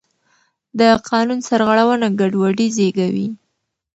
د قانون سرغړونه ګډوډي زېږوي